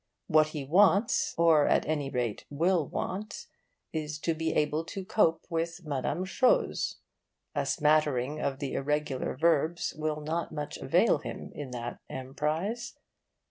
What he wants, or at any rate will want, is to be able to cope with Mme. Chose. A smattering of the irregular verbs will not much avail him in that emprise.